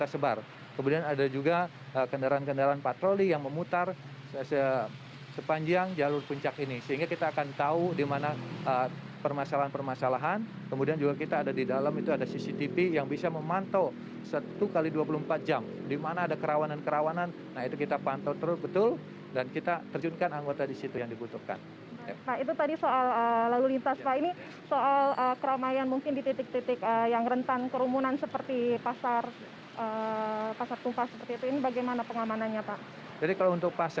sempat semuanya panik